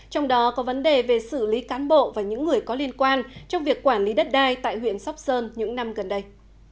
trong đó có vấn đề về xử lý cán bộ và những người có liên quan trong việc quản lý đất đai tại huyện sóc sơn những năm gần đây